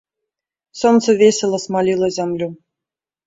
Сонца весела смаліла зямлю.